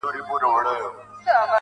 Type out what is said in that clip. د مسجد لوري، د مندر او کلیسا لوري.